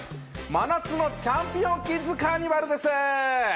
真夏のチャンピオンキッズカーニバルです。